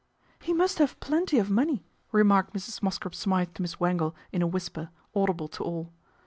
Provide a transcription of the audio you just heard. "He must have plenty of money," remarked Mrs. Mosscrop Smythe to Miss Wangle in a whisper, audible to all.